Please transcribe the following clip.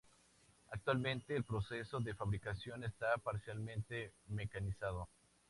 Actualmente el proceso de fabricación está parcialmente mecanizado.